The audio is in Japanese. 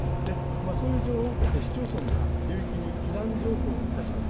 そういう情報を受けて、市町村が流域に避難情報を出します。